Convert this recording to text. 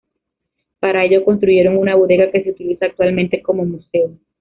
Para ello construyeron una bodega, que se utiliza actualmente como museo.